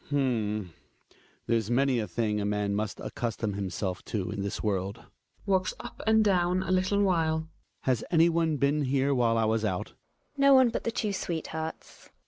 Hj.\xmar, H'm; there's many a thing a man must accustom himself to in this world. {Walks up and down a little while.) Has anyone been here while I was out? Gina. No one but the two sweethearts.